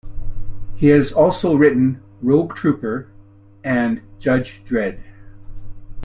He has also written "Rogue Trooper" and "Judge Dredd".